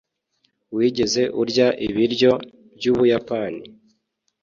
wigeze urya ibiryo by'ubuyapani